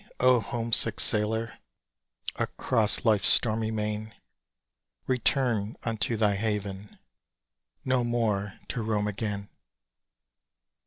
O homesick sailor, Across life's stormy main Return unto thy haven, No more to roam again!